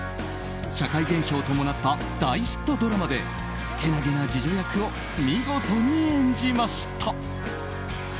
社会現象ともなった大ヒットドラマでけなげな次女役を見事に演じました。